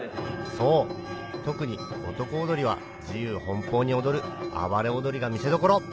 そう特に男踊りは自由奔放に踊る暴れ踊りが見せどころ